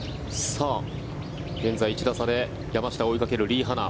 現在１打差で山下を追いかけるリ・ハナ。